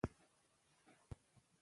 کولمو مایکروبیوم د خپګان خطر کموي.